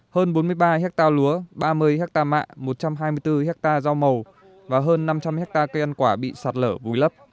hơn bốn mươi ba hectare lúa ba mươi hectare mạ một trăm hai mươi bốn hectare rau màu và hơn năm trăm linh hectare cây ăn quả bị sạt lở vùi lấp